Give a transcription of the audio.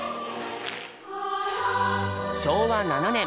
昭和７年。